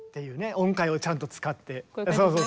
音階をちゃんと使って。